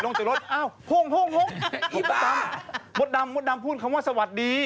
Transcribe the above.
พลังเยอะเยอะเพราะเธอสำนึกบาป